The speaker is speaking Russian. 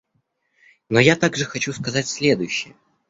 Но я также хочу сказать следующее.